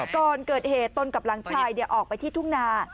ก่อนเกิดเหตุตนกับหลานชายออกไปที่ทุ่งนา